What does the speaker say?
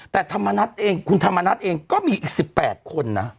แต่คุณธรรมนัฏเองก็มีอีก๑๘คนนะ